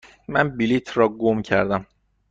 من بلیطم را گم کردم.